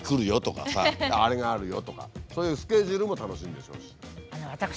あれがあるよとかそういうスケジュールも楽しいんでしょうし。